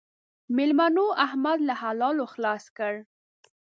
مېلمنو؛ احمد له حلالو خلاص کړ.